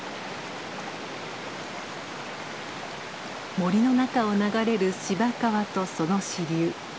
森の中を流れる芝川とその支流。